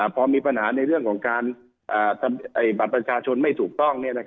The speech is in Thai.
พอมีปัญหาในเรื่องของการบัตรประชาชนไม่ถูกต้อง